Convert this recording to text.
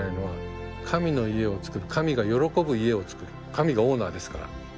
神がオーナーですから。